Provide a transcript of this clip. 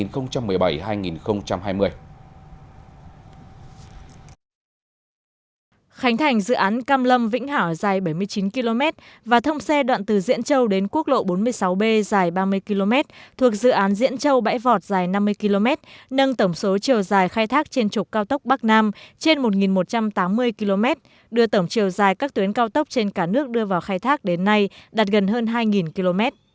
khánh thành dự án cam lâm vĩnh hảo dài bảy mươi chín km và thông xe đoạn từ diễn châu đến quốc lộ bốn mươi sáu b dài ba mươi km thuộc dự án diễn châu bãi vọt dài năm mươi km nâng tổng số chiều dài khai thác trên trục cao tốc bắc nam trên một một trăm tám mươi km đưa tổng chiều dài các tuyến cao tốc trên cả nước đưa vào khai thác đến nay đạt gần hơn hai km